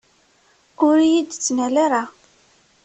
Ur iyi-d-ttnal ara!